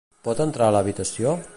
Pot entrar a l'habitació?